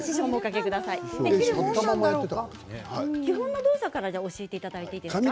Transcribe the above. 基本の動作から教えていただいていいですか。